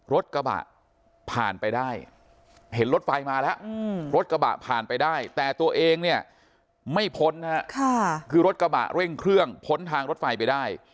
รถกระบะผ่านไปได้เห็นรถไฟมาแล้วรถกระบะผ่านไปได้แต่ตัวเองเนี่ยไม่พ้นนะฮะคือรถกระบะเร่งเครื่องพ้นทางรถไฟไปได้